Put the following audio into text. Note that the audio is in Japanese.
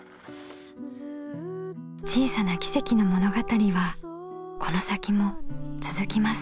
小さな奇跡の物語はこの先も続きます。